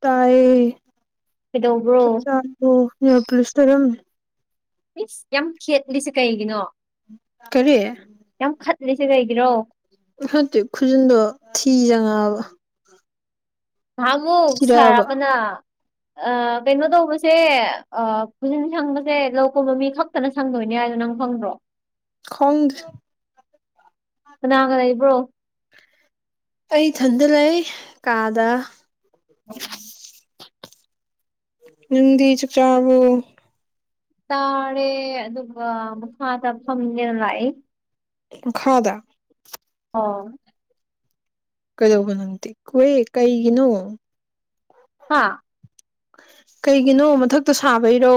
ꯇꯌꯦ ꯊ ꯀꯩꯗꯧꯕ꯭ꯔꯣ ꯆ ꯄꯨꯂꯤꯁ ꯇꯔꯝ ꯃꯤ ꯌꯥꯝ ꯈꯦꯠꯂꯤꯁꯦ ꯀꯩꯒꯤꯅꯣ ꯀꯔꯤ ꯌꯥꯝ ꯈꯠꯂꯤꯁꯦ ꯀꯩꯒꯤꯔꯣ ꯍꯧꯛꯇꯤ ꯈꯨꯖꯤꯟꯗꯣ ꯊꯤꯖꯉꯛꯑꯕ ꯍꯥꯃꯨꯛ ꯊꯤꯔꯛꯑꯕ ꯁꯔꯥꯕꯅ ꯑ ꯀꯩꯅꯣ ꯇꯧꯕꯁꯦ ꯄꯨꯁꯤꯟ ꯁꯪꯕꯁꯦ ꯂꯧ ꯀꯨꯝꯕ ꯃꯤꯈꯛ ꯐꯅ ꯁꯪꯗꯣꯏꯅꯦ ꯍꯥꯏꯗꯣ ꯅꯪ ꯐꯪꯗ꯭ꯔꯣ ꯈꯣꯡꯗ ꯀꯅꯥꯒ ꯂꯩꯕ꯭ꯔꯣ ꯑꯩ ꯏꯊꯟꯗ ꯂꯩ ꯀꯥꯗ ꯅꯗꯤ ꯆ ꯆ꯭ꯔꯥꯕꯣ ꯇꯥꯔꯦ ꯑꯗꯨꯒ ꯃꯈ ꯃꯈꯥ ꯇ ꯐꯅꯦꯅ ꯂꯥꯛꯏ ꯈꯥꯗ ꯑꯣ ꯀꯩꯗꯧꯕ ꯅꯪꯗꯦ ꯀꯋꯦ ꯀꯩꯒꯤꯅꯣ ꯍꯥꯥ ꯀꯩꯒꯤꯅꯣ ꯃꯊꯛꯇ ꯁꯥꯕꯩꯔꯣ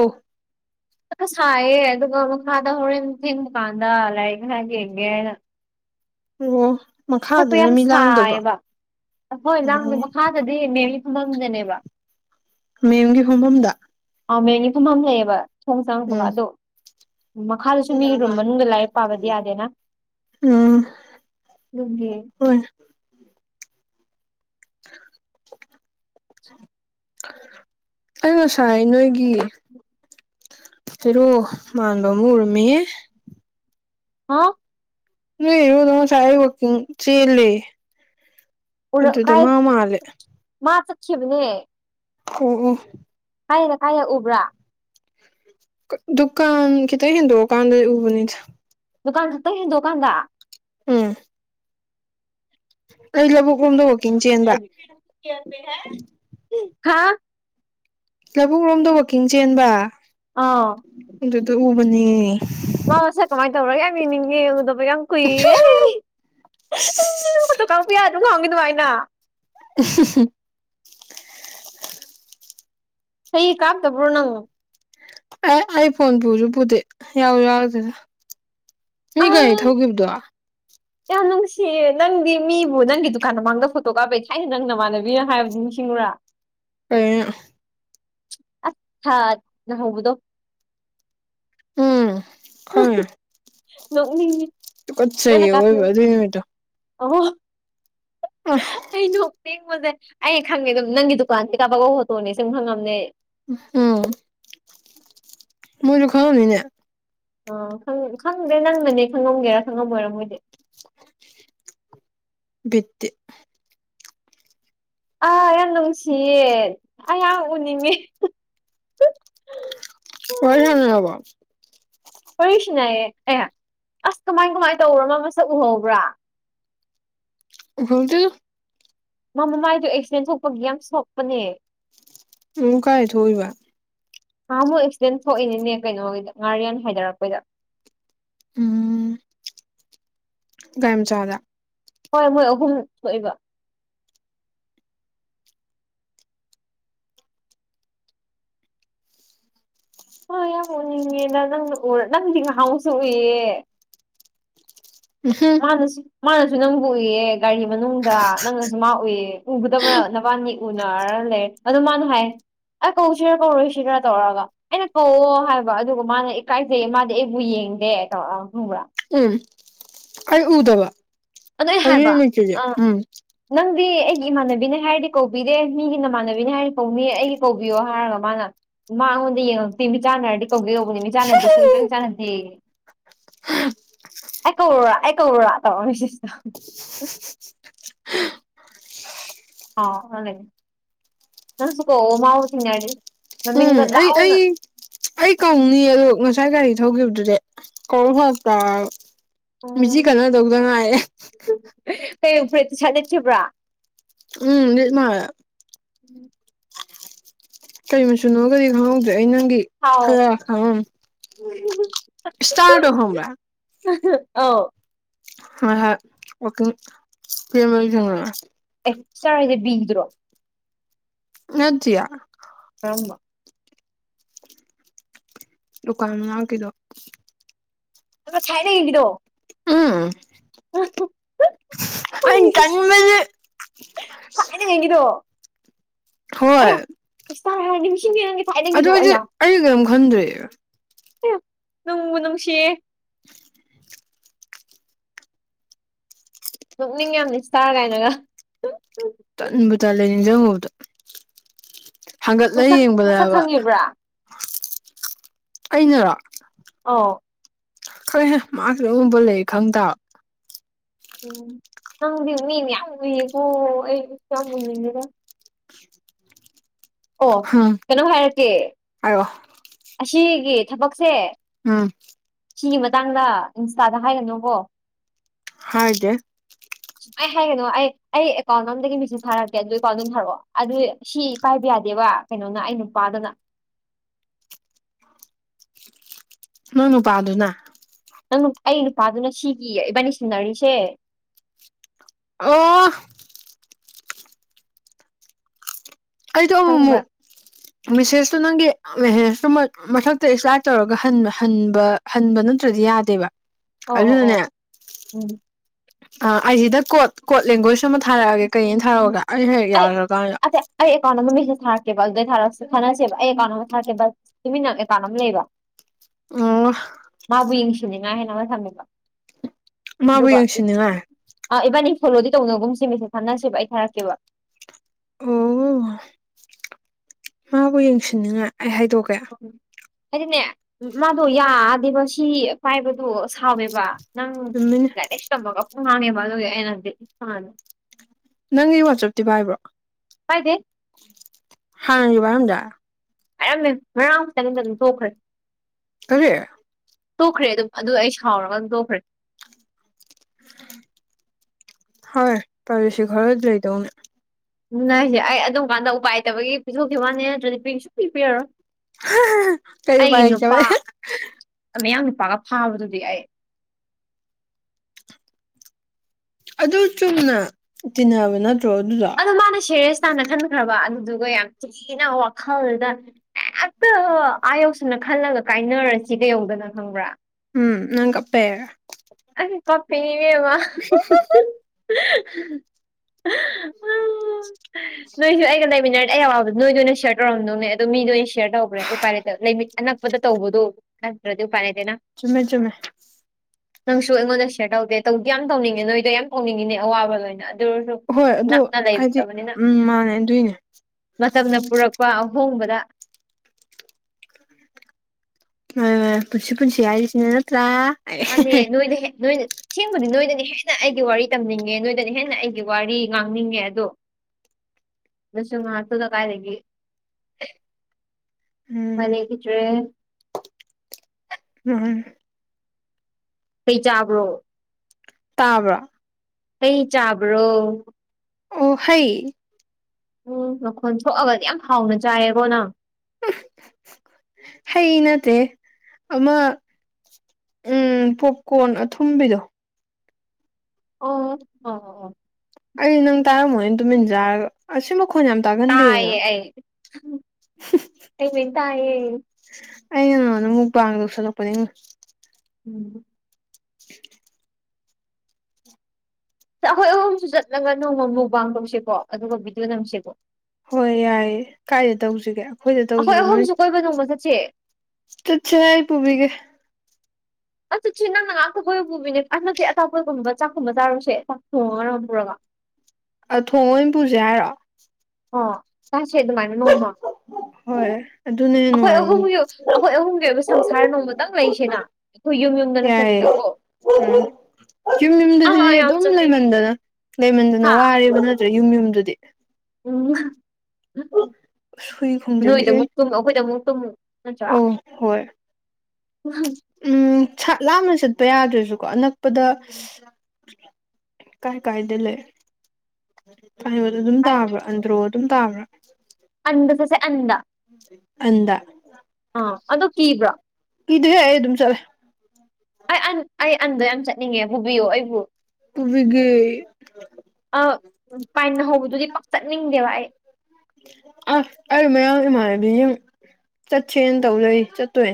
ꯁꯥꯏꯌꯦ ꯑꯗꯨꯒ ꯃꯈꯥꯗ ꯍꯣꯔꯦꯟ ꯊꯦꯟ ꯗꯨꯀꯥꯟꯗ ꯂꯥꯏꯔꯤꯛ ꯉꯔ ꯌꯦꯡꯒꯦꯅ ꯑꯣ ꯁꯛꯄ ꯃꯈꯥꯗꯅ ꯌꯥꯝ ꯃꯤ ꯂꯥꯡꯗꯕ꯭ꯔꯣ ꯁꯥꯏꯌꯦꯕ ꯑꯣ ꯑꯩꯈꯣꯏꯖꯥꯡꯁ ꯃꯈꯥꯗꯗꯤ ꯃꯦꯝꯒꯤ ꯐꯝꯐꯝꯗꯅꯦꯕ ꯃꯦꯝꯒꯤ ꯍꯣꯡꯐꯝꯝꯗ ꯑꯥꯎ ꯃꯦꯟꯒꯤ ꯐꯨꯝ ꯑꯃ ꯂꯩꯑꯕ ꯊꯣꯡ ꯆꯪꯕꯒ ꯎꯝ ꯑꯗꯣ ꯃꯈꯥꯗꯁꯨ ꯃꯤ ꯔꯨꯝ ꯃꯅꯨꯡꯗ ꯂꯥꯏꯔꯤꯛ ꯄꯥꯕꯗꯤ ꯌꯥꯗꯦꯅ ꯎꯝ ꯍꯧꯦ ꯍꯣꯏ [unintelligible] ꯑꯩꯅ ꯁꯥꯏ ꯅꯣꯏꯒꯤ ꯐꯔꯣ ꯃꯥꯟꯕꯥꯟꯕ ꯑꯃ ꯎꯔꯃꯦ ꯍꯥ ꯅꯣꯏ ꯑꯩꯉꯣꯟꯗꯣ ꯉꯁꯥꯏ ꯑꯩ ꯋꯥꯛꯀꯤꯡ ꯆꯦꯜꯂꯦ ꯎꯔ ꯑꯗꯨꯗ ꯀꯥꯏ ꯃꯥ ꯃꯥꯜꯂꯦ ꯃꯥ ꯆꯠꯈꯤꯕꯅꯦ ꯎ ꯎꯝ ꯀꯥꯏꯗ ꯀꯥꯏꯔꯛ ꯎꯕ꯭ꯔꯥ ꯗꯨꯀꯥꯟ ꯈꯤꯇꯪ ꯍꯦꯟꯗꯣꯛꯑ ꯀꯥꯟꯗ ꯎꯕꯅꯤꯗ ꯗꯨꯀꯥꯟ ꯈꯤꯇꯪ ꯍꯦꯟꯗꯣꯛꯑ ꯀꯥꯟꯗ ꯎꯝ ꯑꯩ ꯂꯕꯨꯛ ꯍꯥ ꯂꯧꯕꯨꯛ ꯂꯣꯝꯗ ꯋꯥꯛꯀꯤꯡ ꯆꯦꯟꯕ ꯑ ꯑꯗꯨꯗ ꯎꯕꯅꯤ ꯃꯥ ꯃꯁꯥꯛ ꯀꯃꯥꯏ ꯇꯧꯔꯒꯦ ꯌꯥꯝ ꯌꯦꯡꯅꯤꯡ ꯎꯗꯕ ꯌꯥꯝ ꯀꯨꯏꯔꯦ ꯀꯥꯎ ꯄ ꯌꯥꯗꯔ ꯉꯥꯍꯟꯒꯤ ꯑꯗꯨꯃꯥꯏꯅ [inaudible] ꯍꯤ ꯀꯥꯞꯇꯕ꯭ꯔꯣ ꯅꯪ ꯑꯦ ꯑꯩ ꯐꯣꯟ ꯄꯨꯁꯨ ꯄꯨꯗꯦ ꯌꯥꯎ ꯌꯥꯎꯗꯅ ꯃꯤ ꯑ ꯒꯥꯔꯤ ꯊꯧꯈꯤꯕꯗꯣ ꯌꯥꯝ ꯅꯨꯡꯁꯤꯌꯦ ꯅꯪꯗꯤ ꯃꯤꯕꯨ ꯅꯪꯒꯤ ꯗꯨꯀꯥꯟ ꯃꯃꯥꯡꯗ ꯐꯣꯇꯣ ꯀꯥꯞꯄꯩ ꯊꯥꯏꯅ ꯅꯪ ꯅꯃꯥꯟꯅꯕꯤꯅ ꯍꯥꯏꯕ ꯅꯤꯡꯁꯤꯡꯉꯨꯔꯥ [inaudible] ꯀꯩꯅꯣ ꯑꯁ ꯊꯅ ꯍꯧꯕꯗꯣ ꯎꯝ ꯈꯉꯦ ꯅꯣꯛꯅꯤꯡꯉꯦ ꯇꯨꯀꯠꯆꯩꯌꯦ ꯑꯑꯣꯏꯕ ꯑꯗꯨꯏ ꯅꯨꯃꯤꯠꯇꯣ ꯑꯣ ꯑ [inaudible] ꯑꯩꯩ ꯅꯣꯛꯅꯤꯡꯕꯖꯦ ꯑꯩ ꯈꯪꯉꯦ ꯑꯗꯨꯝ ꯅꯪꯒꯤ ꯗꯨꯀꯥꯟꯗꯩ ꯀꯥꯞꯄꯛꯄ ꯐꯣꯇꯣꯅꯦ ꯁꯨꯝ ꯈꯪꯉꯝꯅꯦ ꯎꯝ ꯃꯣꯏꯁꯨ ꯈꯪꯉꯝꯅꯤꯅꯦ ꯑ ꯈꯪ ꯈꯪꯗꯦ ꯅꯪꯅꯅꯦ ꯈꯪꯉꯝꯒꯦꯔꯥ ꯈꯪꯉꯝꯃꯣꯏꯔ ꯃꯣꯏꯗꯤ ꯕꯤꯠꯇꯤ ꯑꯥ ꯌꯥꯝ ꯅꯨꯡꯁꯤꯌꯦ ꯑꯩ ꯌꯥꯝ ꯎꯅꯤꯡꯉꯦ [inaudible] ꯋꯥꯔꯤ ꯁꯥꯅꯔꯕꯣ ꯋꯥꯔꯤ ꯁꯅꯩꯑꯦ ꯑꯦ ꯑꯁ ꯀꯃꯥꯏ ꯀꯃꯥꯏ ꯇꯧꯔꯅꯣ ꯃꯁꯛ ꯎꯍꯧꯕ꯭ꯔꯥ ꯎꯍꯧꯗꯦ ꯃꯥ ꯃꯃꯥꯏꯗꯣ ꯑꯦꯛꯁꯤꯗꯦꯟ ꯊꯣꯛꯄꯒꯤ ꯌꯥꯝ ꯁꯣꯛꯄꯅꯦ ꯑꯃꯨꯛ ꯀꯥꯏ ꯊꯣꯛꯎꯏꯕ ꯅꯍꯥꯥꯃꯨꯛ ꯑꯦꯛꯁꯤꯗꯦꯟ ꯊꯣꯛꯏꯅꯤꯅꯦ ꯀꯩꯅꯣꯒꯤꯗ ꯉꯥꯔꯤꯌꯥꯟ ꯍꯥꯏꯗꯔꯛꯄꯩꯗ ꯎꯝ ꯒꯔꯤꯝꯆꯥꯗ ꯍꯣꯏ ꯃꯣꯏ ꯑꯍꯨꯝ ꯊꯣꯛꯏꯕ ꯍꯣꯏ ꯌꯥꯝ ꯎꯅꯤꯡꯉꯦꯅ ꯅꯪꯅ ꯎ ꯅꯪꯗꯤ ꯉꯍꯥꯃꯨꯛꯁꯨ ꯎꯏꯌꯦ [inaudible] ꯃꯥꯅꯁꯨ ꯅꯪꯕꯨ ꯎꯏꯌꯦ ꯒꯥꯔꯤ ꯃꯅꯨꯡꯗ ꯅꯪꯅꯁꯨ ꯃꯥ ꯎꯏꯌꯦ ꯎꯒꯗꯕꯅ ꯅꯕꯥꯅꯤ ꯎꯅꯔ ꯂꯩꯔꯦ ꯑꯗꯣ ꯃꯥꯅ ꯍꯥꯏ ꯑꯩ ꯀꯧꯁꯤꯔ ꯀꯧꯔꯣꯏꯁꯤꯔ ꯇꯧꯔꯒ ꯑꯩꯅ ꯀꯧꯑꯣ ꯍꯥꯏꯕ ꯑꯗꯨꯒ ꯃꯥꯅ ꯏꯀꯥꯏꯖꯩꯌꯦ ꯃꯥꯗꯤ ꯑꯩꯕꯨ ꯌꯦꯡꯗꯦ ꯇꯧꯔꯛ ꯈꯪꯕ꯭ꯔꯥ ꯎꯝ ꯑꯩ ꯎꯗꯕ ꯑꯗꯣ ꯑꯩ ꯑꯗꯨꯏ ꯍꯥꯏꯕ ꯅꯨꯃꯤꯠꯇꯨꯗꯤ ꯑꯥ ꯎꯝ ꯅꯪꯗꯤ ꯑꯩꯒꯤ ꯏꯃꯥꯟꯅꯕꯤꯅꯦ ꯍꯥꯏꯔꯗꯤ ꯀꯧꯕꯤꯗꯦ ꯃꯤꯒꯤ ꯅꯃꯥꯟꯅꯕꯤꯅꯦ ꯍꯥꯏꯔꯗꯤ ꯀꯧꯅꯤ ꯑꯩꯒꯤ ꯀꯧꯕꯤꯌꯣ ꯍꯥꯏꯔꯒ ꯃꯥꯅ ꯃꯉꯣꯟꯗ ꯌꯦꯡꯉꯛꯇꯦ ꯃꯤꯠ ꯆꯥꯅꯔꯗꯤ ꯀꯧꯒꯦ ꯃꯤꯆꯥꯅꯗꯤ ꯁꯨꯡꯆꯟ ꯆꯥꯅꯗꯦꯌꯦ ꯑꯩ ꯀꯧꯔꯣꯔꯥ ꯑꯩ ꯀꯧꯔꯣꯔ [unintelligible] ꯑꯧ ꯅꯪꯁꯨ ꯀꯧꯑꯣ ꯃꯥꯕꯨ ꯊꯦꯡꯅꯥꯔꯗꯤ ꯎꯝ ꯃꯃꯤꯡꯒ ꯑꯩ ꯂꯥꯎꯅ ꯑꯩ ꯑꯩ ꯀꯧꯅꯤꯌꯦ ꯑꯗꯣ ꯉꯁꯥꯏ ꯒꯥꯔꯤ ꯊꯧꯒꯤꯕꯗꯨꯗꯤ ꯀꯧ ꯐꯔꯛ ꯇꯥꯔ ꯃꯤꯠꯆꯤ ꯎꯝ ꯈꯠꯅꯗꯧꯗ ꯉꯥꯏꫪꯦ ꯀꯩ ꯄ꯭ꯔꯦꯇꯁ ꯅꯠꯁꯤꯕ꯭ꯔꯥ ꯎꯝ ꯃꯥ ꯀꯔꯤ ꯃꯨꯆꯨꯅꯣꯒꯗꯤ ꯈꯪꯍꯧꯗ꯭ꯔꯦ ꯑꯩ ꯅꯪꯒꯤ ꯈꯔ ꯍꯥꯎ ꯏꯁꯇꯥꯔꯠ ꯑꯣꯍꯕ꯭ꯔꯥ ꯑꯥꯎ ꯑ ꯍ ꯋꯥꯛꯀꯤꯡ ꯆꯦꯟꯕꯗꯤ ꯊꯦꯡꯅꯔꯩ ꯑꯦꯛꯁꯇ꯭ꯔꯥ ꯍꯥꯏꯁꯦ ꯕꯤꯗ꯭ꯔꯣ ꯅꯠꯇꯌꯦ ꯑꯃ ꯂꯗꯨꯀꯥꯟ ꯃꯅꯥ ꯀꯗꯣ ꯑꯗꯨ ꯊꯥꯏꯗ ꯀꯗꯤꯗꯣ ꯎꯝ ꯑ ꯈꯪꯉꯦ ꯀꯪꯝꯕꯜ ꯌꯦꯒꯤꯗꯣ ꯍꯣꯏ ꯏꯁ ꯍꯥꯏꯗꯤ ꯑꯗꯨ ꯑꯩꯗꯤꯦ ꯑꯩ ꯀꯩꯅꯣꯝ ꯈꯟꯗ꯭ꯔꯔꯤꯦ ꯅꯍꯦ ꯅꯨꯡꯕꯨ ꯅꯨꯡꯁꯤꯌꯦ [inaudible] ꯄꯨꯛꯅꯤꯡ ꯌꯥꯝ ꯁꯇꯥꯥ ꯀꯥꯏꯅꯒ ꯇꯟꯕꯗ ꯂꯩ ꯅꯤꯡꯁꯤꯡꯉꯨꯕꯗꯣ ꯍꯥꯡꯒꯠꯂꯒ ꯃꯁꯛ ꯃꯁꯛ ꯌꯦꯡꯕꯗꯕ ꯈꯪꯉꯤꯕ꯭ꯔꯥ ꯑꯩꯅꯔꯣ ꯑꯣ ꯍꯣꯏ ꯃꯥꯁꯨ ꯑꯨꯝꯕ ꯂꯩ ꯈꯪꯗꯕ ꯎꯝ ꯅꯪꯗꯤ ꯃꯤ ꯃ ꯌꯥꯝꯌꯥꯝ ꯎꯨꯏꯌꯦꯀꯣ ꯑꯩꯁꯨ ꯌꯥꯝ ꯃꯨꯅꯤꯡꯉꯦꯗ ꯑꯣ ꯀꯩꯅꯣ ꯍꯥꯏꯔꯛꯀꯦ ꯑꯣ ꯑꯁꯤꯒꯤ ꯊꯕꯛꯁꯦ ꯑꯝ ꯁꯤꯒꯤ ꯃꯇꯥꯡꯗ ꯏꯟꯁꯇꯥꯗ ꯍꯥꯏꯒꯅꯨꯀꯣ ꯍꯥꯏꯗꯦ [unintelligible] ꯁꯨꯃꯥꯏꯅ ꯍꯥꯏꯒꯅꯣ ꯑꯩ ꯑꯦꯀꯥꯎꯟ ꯑꯝꯗꯒꯤ ꯃꯦꯆꯦꯖ ꯊꯥꯔꯛꯀꯦ ꯑꯗꯨ ꯑꯦꯀꯥꯎꯟꯗꯣꯝ ꯊꯥꯔꯛꯑꯣ ꯑꯗꯨ ꯁꯤ ꯄꯥꯏꯕ ꯌꯥꯗꯦꯕ ꯀꯩꯅꯣꯅ ꯑꯩ ꯅꯨꯄꯥꯗꯨꯅ ꯅꯣꯏ ꯅꯨꯄꯥꯗꯨꯅ ꯅꯪ ꯑꯩ ꯅꯨꯄꯥꯗꯨꯅ ꯁꯤꯒꯤ ꯏꯕꯥꯅꯤ ꯁꯤꯅꯔꯤꯁꯦ ꯑꯣ ꯀꯩꯗꯣꯃꯨꯃꯨꯛ [unintelligible] ꯃꯦꯁꯦꯁꯇꯨ ꯅꯪꯒꯤ ꯃꯦꯁꯦꯁꯇꯨ ꯃꯊꯛꯇ ꯑꯦꯛꯇꯥꯔꯠ ꯇꯧꯔꯒꯕ ꯍꯟꯕ ꯍꯟꯕ ꯅꯠꯇ꯭ꯔꯗꯤ ꯌꯥꯗꯦꯕ ꯑꯣ ꯑꯣ ꯑꯣ ꯑꯗꯨꯅꯅꯦ ꯎꯝ ꯑ ꯑꯩꯁꯤꯗ ꯀꯣꯠ ꯀꯣꯠ ꯂꯦꯡꯒ꯭ꯋꯦꯖ ꯑꯃ ꯊꯥꯔꯛꯑꯒꯦ ꯀꯩꯅꯅ ꯊꯥꯔꯛꯑꯒ ꯑꯩꯅ ꯍꯦꯛ ꯑꯩ ꯌꯥꯈ꯭ꯔꯀꯥꯟꯗ ꯑꯇꯩ ꯑꯩ ꯑꯦꯀꯥꯎꯟ ꯑꯃ ꯃꯦꯁꯦꯖ ꯊꯥꯛꯦꯕ ꯑꯗꯨꯗꯩ ꯊꯥꯔꯛꯁꯨ ꯈꯟꯅꯁꯦꯕ ꯑꯩ ꯑꯦꯀꯥꯎꯟ ꯑꯃ ꯊꯔꯛꯀꯦꯕ ꯇꯨꯃꯤꯟꯅ ꯑꯦꯀꯥꯎꯟ ꯑꯃ ꯂꯩꯕ ꯑꯣ ꯃꯥꯕꯨ ꯌꯦꯡꯁꯤꯅꯤꯉꯥꯏ ꯍꯥꯏꯦꯟꯅ ꯑꯃ ꯊꯝꯃꯦꯕ ꯃꯥꯕꯨ ꯑꯗꯨꯒ ꯌꯦꯡꯁꯤꯟꯅꯤꯡꯉꯥꯏ ꯏꯕꯥꯅꯤ ꯐꯣꯂꯣꯗꯤ ꯇꯧꯅꯕꯒꯨꯝꯁꯦ ꯃꯦꯁꯦꯁ ꯊꯝꯅꯁꯦꯕ ꯑꯩ ꯊꯥꯔꯛꯀꯦꯕ ꯑꯣ ꯃꯥꯕꯨ ꯌꯦꯡꯁꯤꯟꯅꯤꯡꯉꯥꯏ ꯑꯩ ꯍꯥꯏꯗꯣꯛꯀꯦ ꯎ ꯍꯥꯏꯗꯤꯅꯦ ꯃꯥꯗꯣ ꯌꯥꯗꯦꯕ ꯁꯤ ꯄꯥꯏꯕꯗꯣ ꯁꯥꯎꯋꯦꯕ ꯅꯪ ꯆꯨꯝꯃꯤꯅꯦ ꯂꯦꯁꯃꯒ ꯄ ꯍꯥꯡꯦ ꯃꯗꯨꯅꯗꯤ ꯅ ꯅꯪꯒꯤ ꯋꯥꯆꯞꯇꯤ ꯄꯥꯏꯕ꯭ꯔꯣ ꯍꯥꯏꯥꯏꯗꯤꯦ ꯍꯥꯡ ꯋꯥꯝꯗ ꯍꯥꯏꯌꯥꯝꯝꯃꯦ ꯉꯥꯡꯨꯛꯇꯪꯝꯇꯪ ꯇꯣꯛꯈ꯭ꯔꯦ [unintelligible] ꯇꯣꯛꯈ꯭ꯔꯦ ꯑꯗꯨꯝ ꯑꯗꯨ ꯑꯩ ꯁꯥꯎꯔꯒ ꯑꯗꯨꯝ ꯇꯣꯛꯈ꯭ꯔꯦ ꯍꯣꯏ ꯄꯕꯤꯁꯤ ꯈꯔ ꯂꯩꯗꯧꯅꯦ ꯎ ꯅꯁꯦ ꯑꯩ ꯑꯗꯨꯝ ꯀꯥꯟꯗ ꯎꯄꯥꯏꯇꯕꯒꯤ ꯄꯤꯊꯣꯛꯈꯤꯕ ꯋꯥꯅꯦ ꯅꯠꯇ꯭ꯔꯗꯤ ꯄꯤ ꯁ ꯄꯤ ꯄꯤꯔꯣ ꯀꯩ ꯎꯄꯥꯏ ꯑꯩꯒꯤ ꯅꯨꯄꯥ ꯂꯩꯇꯕꯩ ꯃꯌꯥꯡ ꯅꯨꯄꯥꯒ ꯐꯥꯕꯗꯨꯗꯤ ꯑꯩ ꯑꯗꯨ ꯆꯨꯝꯅ ꯇꯤꯟꯅꯕ ꯅꯠꯇ꯭ꯔꯣ ꯑꯗꯨꯗꯣ ꯑꯣ ꯃꯥꯅ ꯁꯦꯔꯦꯁ ꯇꯥꯅ ꯈꯟꯈ꯭ꯔꯕ ꯑꯗꯨꯗꯨꯒ ꯌꯥꯝ ꯊꯤꯅ ꯋꯥꯈꯜꯗ ꯍꯦꯛꯇ ꯑꯥꯌꯧꯁꯅ ꯈꯜꯂꯒ ꯀꯥꯏꯅꯔꯁꯤ ꯀꯩ ꯌꯧꯗꯅ ꯈꯪꯕ꯭ꯔꯥ ꯎꯝ ꯅꯪ ꯀꯄꯦꯔꯦ ꯑ ꯀꯄꯤꯅꯦꯃ ꯅꯣꯏꯁꯨ ꯑꯩꯒꯗꯥꯏꯃꯤꯟꯅꯔ ꯂ ꯑꯩ ꯑꯋꯥꯕꯣ ꯅꯣꯏꯗ ꯑꯣꯏꯅ ꯁꯦꯌꯔ ꯇꯧꯔꯝꯗꯣꯅꯦ ꯑꯗꯣ ꯃꯤꯗ ꯑꯣꯏꯅ ꯁꯤꯦꯌꯔ ꯇꯧꯕ꯭ꯔꯦ ꯎꯄꯥꯏ ꯂꯩꯇ ꯂꯩꯃꯤꯠ ꯑꯅꯛꯄꯗ ꯇꯧꯕꯗꯣ ꯑꯁ꯭ꯔꯗꯤ ꯄ ꯅꯗꯦꯅ ꯆꯨꯝꯃꯦ ꯆꯨꯝꯃꯦ ꯅꯪꯁꯨ ꯑꯩꯉꯣꯟꯗ ꯁꯦꯌꯔ ꯇꯧꯗꯦ ꯇꯧꯗꯤ ꯌꯥꯝ ꯇꯧꯅꯤꯡꯉꯦ ꯅꯣꯏꯗꯣ ꯌꯥꯝ ꯇꯧꯅꯤꯡꯉꯤꯅꯦ ꯑꯋꯥꯕ ꯂꯣꯏꯅ ꯑꯗꯨ ꯑꯣꯏꯔꯁꯨ ꯍꯣꯏ ꯑꯗꯣ ꯅꯛꯅ ꯍꯥꯏꯗꯤ ꯂꯩꯇꯕꯅꯤꯅ ꯎꯝ ꯃꯥꯅꯦ ꯑꯗꯨꯏꯅꯦ ꯃꯇꯝꯅ ꯄꯨꯔꯛꯄ ꯑꯍꯣꯡꯕꯗ ꯄꯨꯟꯁꯤ ꯄꯨꯟꯁꯤ ꯍꯥꯏꯁꯤ ꯁꯦꯅꯤ ꯅꯠꯇ꯭ꯔꯥ ꯑꯅꯦ ꯅꯣꯏꯅꯦ ꯅꯣꯏ ꯑꯁꯦꯡꯕꯗꯤ ꯅꯣꯏꯗꯅ ꯍꯦꯟꯅ ꯑꯩꯒꯤ ꯋꯥꯔꯤ ꯇꯝꯅꯤꯡꯉꯦ ꯅꯣꯏꯗꯅ ꯍꯦꯟꯅ ꯑꯩꯒꯤ ꯋꯥꯔꯤ ꯉꯥꯡꯅꯤꯡꯉꯦ ꯑꯗꯣ ꯅꯁ ꯉ ꯍꯥ ꯇꯨꯗ ꯀꯥꯏ ꯂꯩꯒ ꯎꯝ ꯃꯅꯦ ꯀꯈꯤꯗ꯭ꯔꯦ ꯎꯝ ꯀꯩ ꯆꯥꯕ꯭ꯔꯣ ꯇꯥꯕ꯭ꯔꯣ ꯀꯩ ꯆꯥꯕ꯭ꯔꯣ ꯑꯣ ꯍ ꯎꯝ ꯃꯈꯣꯟ ꯁꯣꯛꯑꯒꯗꯤ ꯌꯥꯝ ꯍꯥꯎꯅ ꯆꯥꯏꯌꯦꯀꯣ ꯅꯪ ꯍꯩ ꯅꯠꯇꯦ ꯑꯃ ꯎꯝ ꯄꯣꯛꯀꯣꯟꯣꯟ ꯑꯊꯨꯝꯕꯤꯗꯣ ꯑꯣ ꯑꯣ ꯑꯣ ꯑꯩ ꯅꯪ ꯇꯥꯔꯝꯃꯣꯣꯏꯅ ꯇꯨꯃꯤꯟꯖꯔꯒ ꯑꯁꯤ ꯃꯈꯣꯟ ꯌꯥꯝ ꯇꯥꯑꯌꯦ ꯇꯥꯒꯟꯗꯦꯗꯅ ꯑꯩ ꯃꯤꯇꯑꯌꯦ ꯑꯩꯅ ꯅꯥꯉꯣꯟꯗ ꯃꯨꯛꯕꯥꯥꯡ ꯂꯧꯧꯁꯜꯂꯛꯄꯅꯦ ꯎꯝ [inaudible] ꯑꯩꯈꯣꯏ ꯑꯍꯨꯝꯁꯨ ꯆꯠꯂꯒ ꯅꯣꯡꯃꯃꯨ ꯄꯥꯡ ꯇꯧꯁꯤꯀꯣ ꯑꯗꯨꯒ ꯕꯤꯗꯨꯣ ꯅꯝꯁꯤꯀꯣ ꯍꯣꯏ ꯌꯥꯏꯌꯦ ꯀꯥꯏꯗ ꯇꯧꯁꯤꯒꯦ ꯑꯩꯈꯣꯏꯗ ꯑꯩꯈꯣꯏ ꯇꯧꯁꯤꯔꯣ ꯅꯣꯏ ꯑꯍꯨꯝꯁꯨ ꯀꯣꯏꯕ ꯅꯣꯡꯃ ꯆꯠꯁꯦ ꯆꯏ ꯄ ꯄꯨꯕꯤꯒꯦ ꯑꯛꯁꯤ ꯅꯪꯅ ꯉꯥꯛꯇ ꯀꯣꯏꯕ ꯄꯨꯕꯤꯅꯦ ꯑ ꯅꯠꯇꯦ ꯑꯇꯥꯄꯒꯨꯝꯕ ꯆꯥꯛꯀꯨꯝꯕ ꯆꯥꯔꯨꯁꯦ ꯆꯥꯛ ꯊꯣꯡꯉ ꯃꯔꯝ ꯄꯨꯔꯒ ꯑ ꯊꯣꯡ ꯍꯝꯄꯁꯦ ꯍꯥꯏꯔꯣꯑꯣ ꯑꯣ ꯀꯁꯦ ꯑꯗꯨ ꯃꯥꯅ ꯅꯣꯡꯃ ꯍꯣꯏ ꯑꯗꯨꯅ ꯍꯦꯟꯅ ꯑꯩꯈꯣꯏ ꯅꯨꯡꯉꯥꯏꯅꯤ ꯑꯍꯨꯝꯒꯤ ꯑꯩꯈꯣꯏ ꯑꯍꯨꯝꯒꯤ ꯑꯣꯏꯕ ꯁꯪꯁꯥꯔ ꯑꯃꯃꯛꯇꯪ ꯂꯩꯁꯤꯅ ꯑꯩꯈꯣꯏ ꯌꯨꯝ ꯌꯨꯝ ꯌꯥꯏꯑꯌꯦ ꯌꯨꯝ ꯌꯨꯝꯗꯨꯗꯤ ꯑꯥ ꯌꯥꯝ ꯑꯗꯨꯝ ꯆꯠꯅꯤꯡꯉꯤ ꯂꯩꯃꯟꯗꯅ ꯂꯩꯃꯟꯗꯅ ꯍꯥ ꯋꯥꯔꯤꯕ ꯅꯠꯇ꯭ꯔꯦ ꯌꯨꯝ ꯌꯨꯝꯗꯨꯗꯤ ꯎꯝ ꯑꯁ ꯍꯨꯏ ꯅꯣꯏꯗ ꯈꯣꯡꯖꯤꯜꯂꯛꯑꯦ ꯑꯃꯨꯛ ꯇꯨꯝꯃ ꯑꯩꯈꯣꯏꯗ ꯑꯃꯨꯛ ꯇꯨꯝꯃ ꯑꯆꯥ ꯑꯧ ꯍꯣꯏ ꯎꯝ ꯂꯥꯞꯅ ꯆꯠꯄ ꯌꯥꯗ꯭ꯔꯁꯨꯀꯣ ꯑꯅꯛꯄꯗ ꯀꯥꯏ ꯀꯥꯏꯗ ꯂꯩ ꯀꯩꯅꯣꯗ ꯑꯗꯨꯝ ꯇꯥꯕ꯭ꯔꯥ ꯑꯟꯗ꯭ꯔꯣ ꯑꯗꯨꯝ ꯇꯥꯕ꯭ꯔꯥ ꯑꯟꯗ ꯆꯁꯦ ꯑꯟꯗ ꯑꯟꯗ ꯑꯥ ꯑꯗꯣ ꯀꯤꯕ꯭ꯔꯣ ꯀꯤꯗꯦ ꯑꯩ ꯑꯗꯨꯝ ꯆꯠꯂꯦ ꯑꯩ ꯑꯟ ꯑꯩ ꯑꯟꯗꯣ ꯌꯥꯝ ꯆꯠꯅꯤꯡꯉꯦ ꯄꯨꯕꯤꯌꯨ ꯑꯩꯕꯨ ꯄꯨꯕꯤꯒꯦ ꯑ ꯄꯥꯏꯟ ꯍꯧꯕꯗꯨꯗꯤ ꯄꯥꯛꯆꯠꯅꯤꯡꯗꯦꯕ ꯑꯩ ꯑꯁ ꯑꯩ ꯃꯌꯥꯡ ꯏꯃꯥꯟꯅꯕꯤ ꯁꯤꯡ ꯆꯠꯁꯦꯅ ꯇꯧꯖꯩ ꯆꯠꯇꯣꯔꯦ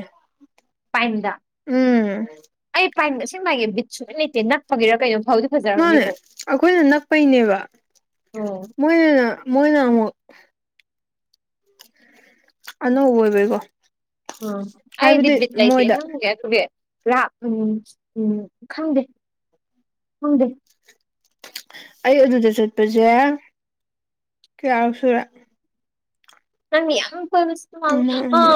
ꯄꯥꯏꯟꯗ ꯎꯝ ꯑꯩ ꯄꯥꯏꯟ ꯑꯁꯦꯡꯕ ꯍꯥꯏꯒꯦ ꯕꯤꯠ ꯁꯨꯂꯩ ꯂꯩꯇꯦ ꯅꯛꯄꯒꯤꯔꯥ ꯀꯩꯅꯣ ꯐꯥꯎꯗꯤ ꯃꯥꯅꯦ ꯑꯩꯈꯣꯏꯅ ꯅꯛꯄꯩꯅꯦꯕ ꯎꯝ ꯃꯣꯏ ꯃꯣꯏꯅ ꯑꯃꯨꯛ ꯑꯅꯧꯕ ꯑꯣꯏ ꯑꯣꯏꯕꯩꯒꯣ ꯑꯣ ꯑꯩꯗꯤ ꯕꯤꯠꯂꯥꯏꯇꯦ ꯃꯣꯏꯗ ꯍꯪ ꯊꯦ ꯂꯥ ꯎꯝ ꯎꯝ ꯈꯪꯗꯦ ꯈꯪꯗꯦ ꯑꯩ ꯑꯗꯨꯗ ꯆꯠꯄꯁꯦ ꯀꯌꯥꯔꯛ ꯁꯨꯔ ꯅꯪꯗꯤ ꯌꯥꯝ ꯀꯣꯏꯕꯁꯨ ꯑꯃ ꯑ ꯑꯅꯤ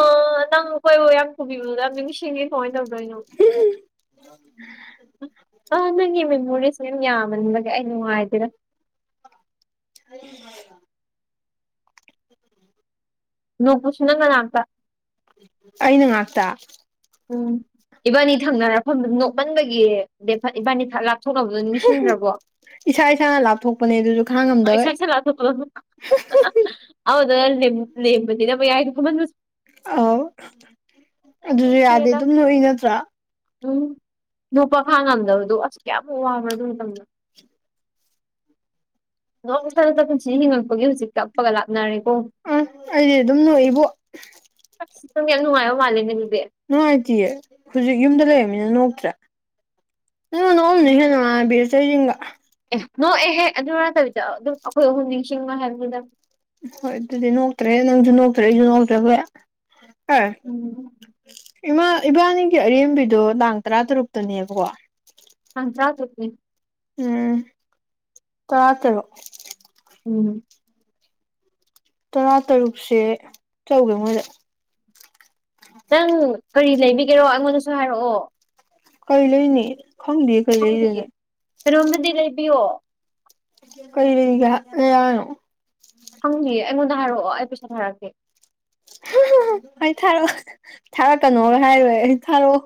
ꯅꯪ ꯀꯣꯏꯕ ꯌꯥꯝ ꯄꯨꯕꯤꯕꯗꯣ ꯌꯥꯝ ꯅꯤꯡꯁꯤꯡꯉꯦ ꯀꯃꯥꯏ ꯇꯧꯅꯤ ꯑꯪ ꯃꯦꯃꯣꯔꯤ ꯌꯥꯕꯅꯤꯅ ꯑꯩ ꯅꯨꯡꯉꯥꯏꯇꯦꯗ ꯍꯔꯤ ꯅꯣꯡꯕꯁꯨ ꯅꯪ ꯅꯅꯥꯛꯇ ꯑꯩꯅ ꯉꯥꯛꯇ ꯎꯝ ꯏꯕꯥꯅꯤ ꯊꯪꯅꯔꯛꯐꯝ ꯅꯣꯛꯃꯟꯕꯒꯤ ꯑꯠ ꯏꯕꯥꯅꯤ ꯊꯛꯂꯄ ꯊꯣꯛꯅꯕꯗꯨ ꯅꯤꯡꯁꯤꯡꯗ꯭ꯔꯕꯣ ꯏꯁꯥ ꯏꯁꯥꯅ ꯂꯥꯞꯊꯣꯛꯄꯅꯦ ꯑꯗꯨꯁꯨ ꯈꯥꯡ ꯉꯝꯗꯕ ꯍꯗ ꯂꯝꯕꯗꯤ ꯅ ꯃꯌꯥꯏ ꯐꯝꯍꯟꯕꯗꯣ ꯑ ꯑꯗꯨꯁꯨ ꯌꯥꯗꯦ ꯅꯨꯡꯁꯤꯌꯦꯗ ꯑꯗꯨꯝ ꯅꯣꯛꯏ ꯅꯠꯇ꯭ꯔꯥ ꯎꯝ ꯅꯨꯄꯥ ꯈꯥꯡꯕ ꯉꯝꯗꯕꯗꯣ ꯑꯁ ꯀꯌꯥꯃꯨꯛ ꯋꯥꯕ꯭ꯔꯥ ꯑꯗꯨ ꯃꯇꯝꯗ ꯅ ꯏꯁꯥꯇ ꯄꯨꯟꯁꯤꯗ ꯍꯤꯡꯉꯛꯄꯒꯤ ꯍꯧꯖꯤꯛ ꯀꯞꯄꯒ ꯂꯥꯛꯅꯔꯦꯀꯣ ꯑ ꯑꯩꯗꯤ ꯑꯗꯨꯝ ꯅꯣꯛꯏꯕꯣ ꯅꯪꯇꯤ ꯌꯥꯝ ꯅꯨꯡꯉꯥꯏ ꯃꯥꯜꯂꯦꯅꯦ ꯑꯗꯨꯗꯤ ꯅꯨꯡꯉꯥꯏꯇꯤꯌꯦ ꯍꯧꯖꯤꯛ ꯌꯨꯝꯗ ꯂꯩꯔꯕꯅꯤꯅ ꯅꯣꯛꯇ꯭ꯔꯦ ꯅꯪ ꯎꯝ ꯅꯣꯛꯑꯝꯅꯤꯍꯦ ꯍꯦꯟꯅ ꯕꯤꯔꯁꯒ ꯑꯦ ꯅꯣꯛ ꯑꯦꯍꯦ ꯑꯗꯨ ꯅꯠꯇꯕꯤꯗ ꯑꯗꯨꯝ ꯑꯩꯈꯣꯏ ꯑꯍꯨꯝ ꯅꯤꯡꯁꯤꯡꯕ ꯍꯥꯏꯕꯗ ꯍꯣꯏ ꯑꯗꯨꯗꯤ ꯅꯣꯛꯇ꯭ꯔꯦ ꯅꯪꯁꯨ ꯅꯣꯛꯇ꯭ꯔꯦ ꯑꯩꯁꯨ ꯅꯣꯛꯇ꯭ꯔꯦ ꯍꯣꯏ ꯍꯣꯏ ꯎꯝ ꯏꯃꯥ ꯏꯕꯥꯅꯤꯒꯤ ꯑꯔꯦꯝꯕꯤꯗꯣ ꯂꯥꯡ ꯇꯔꯥ ꯇꯔꯨꯛꯇꯅꯦꯕꯀꯣ ꯍꯪ ꯊ꯭ꯔꯥ ꯇꯦ [inaudible] ꯎꯝ ꯇꯥꯇꯔꯨꯛ ꯎꯝ ꯇꯔꯥ ꯇꯔꯨꯛꯁꯦ ꯆꯧꯒꯦ ꯃꯣꯏꯗ ꯅꯪ ꯀꯔꯤ ꯂꯩꯕꯤꯒꯦꯔꯣ ꯑꯩꯉꯣꯟꯗꯁꯨ ꯍꯥꯏꯔꯛꯑꯣ ꯀꯔꯤ ꯂꯩꯅꯤ ꯈꯪꯗꯦ ꯀꯩ ꯂꯩꯗꯣꯏꯅꯣ ꯀꯩꯅꯣꯝꯃꯗꯤ ꯂꯩꯕꯤꯌꯣ ꯀꯩ ꯂꯩꯒꯦ ꯍꯥꯏꯅꯣ ꯈꯪꯗꯤꯌꯦ ꯑꯩꯉꯣꯟꯗ ꯍꯥꯏꯔꯛꯑꯣ ꯑꯩ ꯄꯩꯁꯥ ꯊꯥꯔꯛꯀꯦ ꯑꯣꯏ ꯊꯥꯔꯛꯑꯣ ꯊꯥꯔꯛꯀꯅꯣꯒ ꯍꯥꯏꯔꯣꯏ ꯑꯩ ꯊꯥꯔꯛꯑꯣ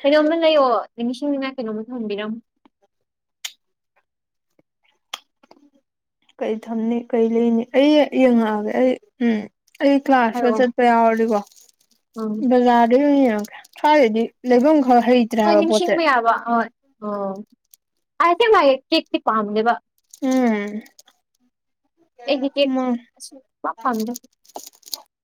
ꯀꯩꯅꯣꯝꯃ ꯂꯩꯑꯣ ꯅꯤꯡꯁꯤꯡ ꯅꯤꯉꯥꯏ ꯀꯩꯅꯣꯝꯃ ꯊꯝꯕꯤꯔꯝꯃꯣ ꯀꯩ ꯊꯝꯅꯤ ꯀꯩ ꯂꯩꯅꯤ ꯑꯩ ꯌꯦꯡꯉꯛꯑꯒꯦ ꯑꯩ ꯎꯝ ꯑꯩ ꯀ꯭ꯂꯥꯁꯀ ꯍꯥꯏꯔꯛꯑꯣ ꯆꯠꯄ ꯌꯥꯎꯔꯗꯤꯀꯣ ꯎꯝ ꯕꯖꯥꯔꯗ ꯑꯣꯏꯅ ꯌꯦꯡꯉꯒꯦ ꯁ꯭ꯋꯥꯏꯗꯩꯗꯤ ꯂꯩꯐꯝ ꯈꯔ ꯍꯩꯇ꯭ꯔꯦ ꯍꯥꯏꯕ ꯄꯣꯠꯁꯦ ꯕ ꯍꯣꯏ ꯑꯣ ꯑꯁꯦ ꯃꯥꯥꯏ ꯀꯦꯛꯇꯤ ꯄꯥꯝꯗꯦꯕ ꯎꯝ ꯑꯩꯒꯤ ꯃꯥ ꯄꯥꯝꯖꯕ